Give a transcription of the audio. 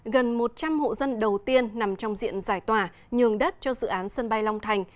gần một trăm linh hộ dân đầu tiên nằm trong diện giải tỏa nhường đất cho dự án sân bay long thành